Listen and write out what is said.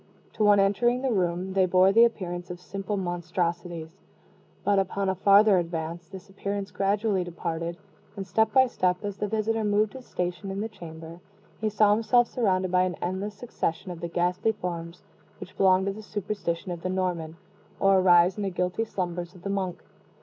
To one entering the room, they bore the appearance of simple monstrosities; but upon a farther advance, this appearance gradually departed; and, step by step, as the visitor moved his station in the chamber, he saw himself surrounded by an endless succession of the ghastly forms which belong to the superstition of the Norman, or arise in the guilty slumbers of the monk.